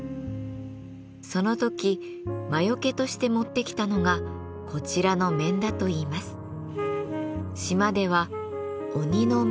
その時魔よけとして持ってきたのがこちらの面だといいます。